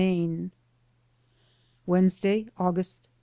Ugh ! Wednesday, August 9.